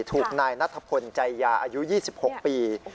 ถูกนายนัทพลใจยาอายุ๒๖ปี